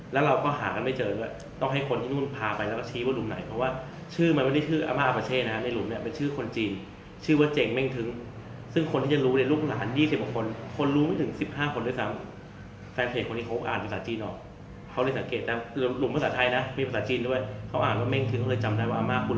และเราก็หากันไม่เจอก็ไม่ได้ต้องประเภทยักษ์ไปตรงนั้นพาไปแล้วก็